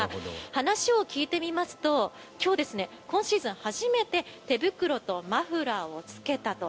話を聞いてみますと今日、今シーズン初めて手袋とマフラーをつけたと。